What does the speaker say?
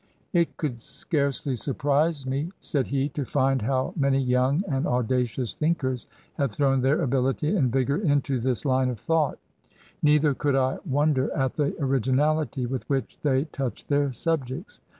" It could scarcely surprise me," said he, " to find how many young and audacious thinkers had thrown their ability and vigour into this line of thought; neither TRANSITION. 133 could I wonder at the originality with which they touched their subjects.